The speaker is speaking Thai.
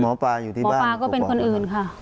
หมอปลาอยู่ที่บ้านหมอปลาก็เป็นคนอื่นค่ะ